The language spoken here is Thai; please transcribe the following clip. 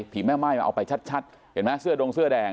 ผีแม่มายไปชัดเห็นป่ะเสื้อดงเสื้อแดง